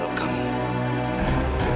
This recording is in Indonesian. kamu harus berhenti